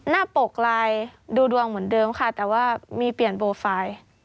ปกไลน์ดูดวงเหมือนเดิมค่ะแต่ว่ามีเปลี่ยนโปรไฟล์